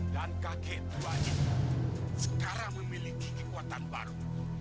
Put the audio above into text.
dan kakek tua ini sekarang memiliki kekuatan baru